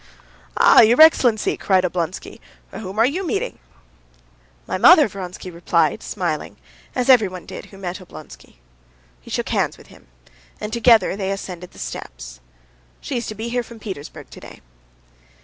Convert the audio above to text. "Ah! your excellency!" cried Oblonsky, "whom are you meeting?" "My mother," Vronsky responded, smiling, as everyone did who met Oblonsky. He shook hands with him, and together they ascended the steps. "She is to be here from Petersburg today."